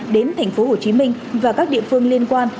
đến thành phố hồ chí minh và các địa phương liên quan